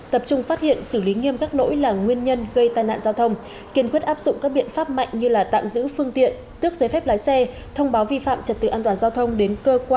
tập trung phát hiện xử lý nghiêm các nỗi là nguyên nhân gây tai nạn giao thông